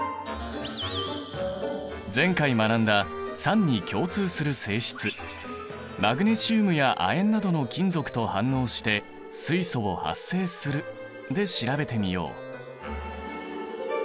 前回学んだ酸に共通する性質「マグネシウムや亜鉛などの金属と反応して水素を発生する」で調べてみよう。